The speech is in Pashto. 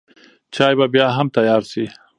چای به بیا هم تیار شي.